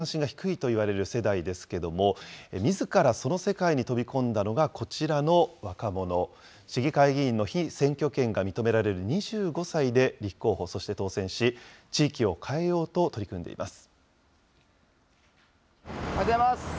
政治に関心が低いといわれる世代ですけれども、みずからその世界に飛び込んだのがこちらの若者、市議会議員の被選挙権が認められる２５歳で立候補、そして当選し、地域を変えようと取り組んでいます。